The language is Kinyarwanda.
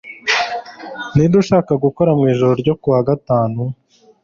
Ninde ushaka gukora mwijoro ryo kuwa gatanu